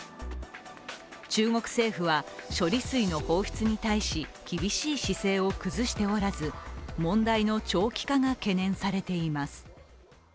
中国政府は処理水の放出に対し厳しい姿勢を崩しておらず問題の長期化が懸念されています。